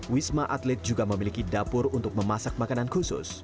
wisma atlet juga memiliki dapur untuk memasak makanan khusus